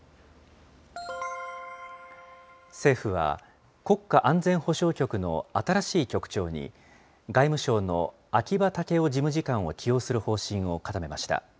政府は、国家安全保障局の新しい局長に、外務省の秋葉剛男事務次官を起用する方針を固めました。